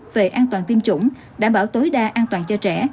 về an toàn tiêm chủng đảm bảo tối đa an toàn cho trẻ